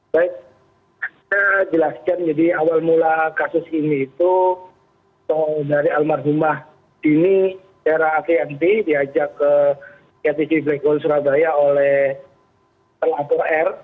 baik saya jelaskan jadi awal mula kasus ini itu dari almarhumah dini daerah atmp diajak ke ktg kekul surabaya oleh pelapor r